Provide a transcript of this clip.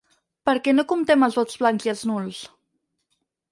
Per què no comptem els vots blancs i els nuls?